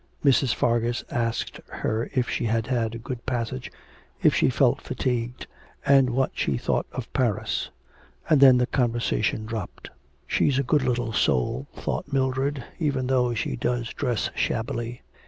Mrs. Fargus asked her if she had had a good passage, if she felt fatigued, and what she thought of Paris. And then the conversation dropped. 'She's a good little soul,' thought Mildred, 'even though she does dress shabbily.